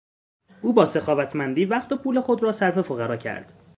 او با سخاوتمندی وقت و پول خود را صرف فقرا کرد.